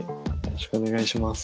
よろしくお願いします。